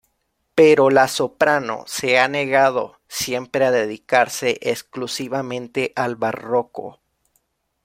Pero la soprano se ha negado siempre a dedicarse exclusivamente al barroco.